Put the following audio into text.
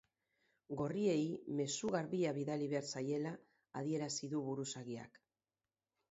Gorriei mezu garbia bidali behar zaiela adierazi du buruzagiak.